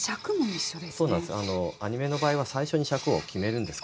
アニメの場合は最初に尺を決めるんです。